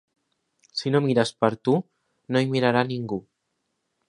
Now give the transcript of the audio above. Si no mires per tu, no hi mirarà ningú.